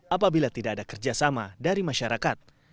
apabila tidak ada kerjasama dari masyarakat